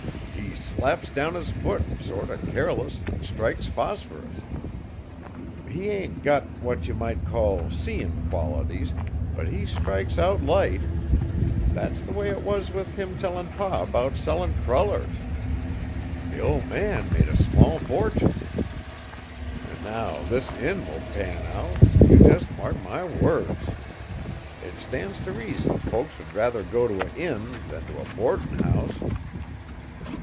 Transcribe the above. He slaps down his foot, sort o' careless, an' strikes phosphorus. He ain't got, what ye might call, seein' qualities, but he strikes out light! That's the way it was with him tellin' Pa 'bout sellin' crullers. The old man made a small fortin. An' now this inn will pan out, you jest mark my words. It stands t' reason folks would rather go to a inn than to a boardin' house!"